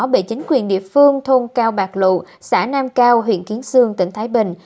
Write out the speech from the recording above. bị chính quyền địa phương thôn cao bạc lụ xã nam cao huyện kiến sương tỉnh thái bình